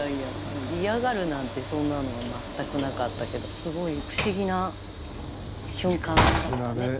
嫌がるなんてそんなの、全くなかったけど、すごい不思議な瞬間だったね。